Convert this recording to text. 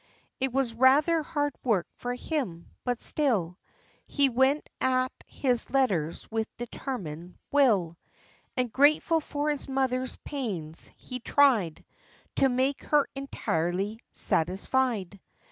It was rather hard work for him, but still He went at his letters with determined will; And, grateful for his mother's pains, he tried To make her entirely satisfied.